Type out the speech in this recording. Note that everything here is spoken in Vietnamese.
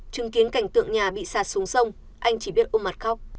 chứng kiến cảnh tượng nhà bị sạt xuống sông anh chỉ biết ôm mặt khóc